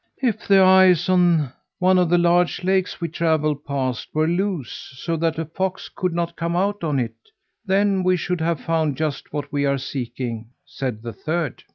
"If the ice on one of the large lakes we travel past were loose, so that a fox could not come out on it, then we should have found just what we are seeking," said the third.